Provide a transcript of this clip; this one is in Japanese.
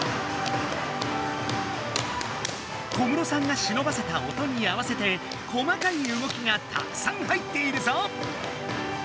小室さんがしのばせた音に合わせて細かい動きがたくさん入っているぞ！